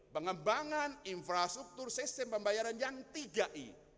pengembangan infrastruktur sistem pembayaran yang tiga i